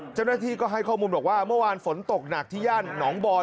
เจ้าหน้าที่ก็ให้ข้อมูลบอกว่าเมื่อวานฝนตกหนักที่ย่านหนองบอย